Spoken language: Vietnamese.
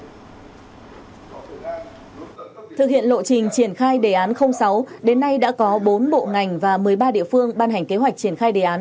thực hiện lộ trình triển khai đề án sáu đến nay đã có bốn bộ ngành và một mươi ba địa phương ban hành kế hoạch triển khai đề án